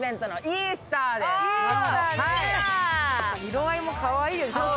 色合いもかわいいです。